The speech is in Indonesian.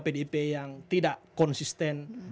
pdip yang tidak konsisten